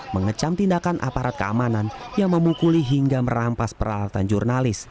mengecam tindakan aparat keamanan yang memukuli hingga merampas peralatan jurnalis